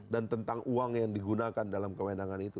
dan tentang uang yang digunakan dalam kewenangan itu